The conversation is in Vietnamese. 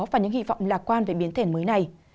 và những hy vọng lạc quan về biến thể mới này